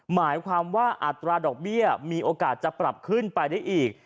หมายความว่าอัตราดอกเบี้ยมีโอกาสจะปรับขึ้นไปได้อีก